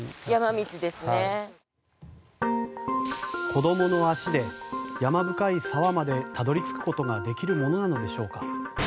子どもの足で山深い沢までたどり着くことができるものなのでしょうか。